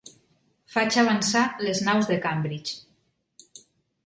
Faig avançar les naus de Cambridge.